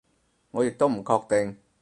我亦都唔確定